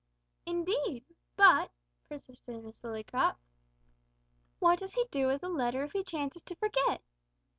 "Indeed! but," persisted Miss Lillycrop, "what does he do with a letter if he chances to forget?"